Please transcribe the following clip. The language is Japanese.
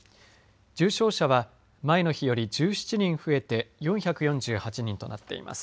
重症者は前の日より１７人増えて４４８人となっています。